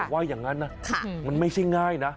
ว่าอย่างนั้นนะมันไม่ใช่ง่ายนะ